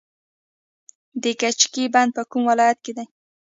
د کجکي بند په کوم ولایت کې دی؟